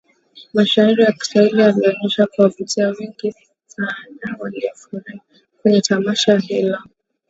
Mashairi ya Kiswahili yalionesha kuwavutia watu wengi sana waliofurika kwenye tamasha hilo